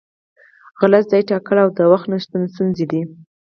غلط ځای ټاکل او د وخت نشتون ستونزې دي.